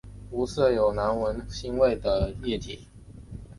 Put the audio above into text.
无色有难闻腥味的液体。